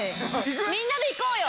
みんなで行こうよ！